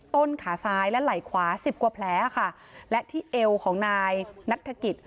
ต้นขาซ้ายและไหล่ขวาสิบกว่าแผลค่ะและที่เอวของนายนัฐกิจ